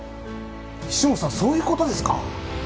菱本さんそういう事ですか！